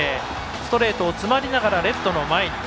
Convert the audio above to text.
ストレートを詰まりながらレフトの前に。